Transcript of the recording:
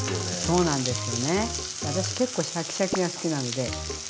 そうなんですよ。